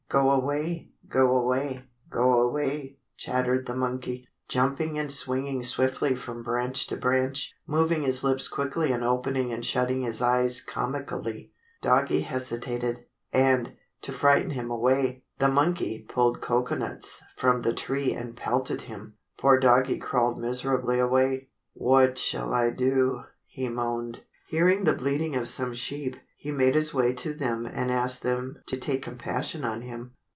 "Go away, go away, go away," chattered the monkey, jumping and swinging swiftly from branch to branch, moving his lips quickly and opening and shutting his eyes comically. Doggie hesitated, and, to frighten him away, the monkey pulled cocoanuts from the tree and pelted him. Poor Doggie crawled miserably away. "What shall I do?" he moaned. Hearing the bleating of some sheep, he made his way to them and asked them to take compassion on him.